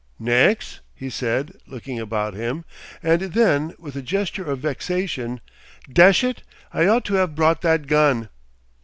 "Nex'?" he said, looking about him, and then with a gesture of vexation, "Desh it! I ought to 'ave brought that gun!"